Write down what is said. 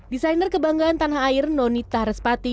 desainer kebanggaan tanah air nonita respati